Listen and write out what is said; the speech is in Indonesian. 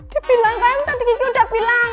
dia bilang kan tadi gigi udah bilang